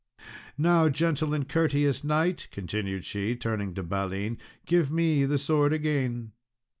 "Now, gentle and courteous knight," continued she, turning to Balin, "give me the sword again."